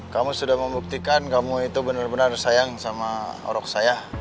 kamu sudah membuktikan kamu itu benar benar sayang sama orang saya